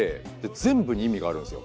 全部に意味があるんですよ。